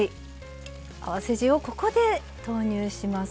合わせ地をここで投入します。